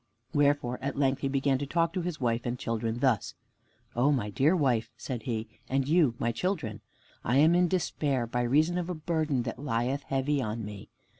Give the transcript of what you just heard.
Wherefore at length he began to talk to his wife and children thus: "O my dear wife," said he, "and you my children, I am in despair by reason of a burden that lieth heavy on me.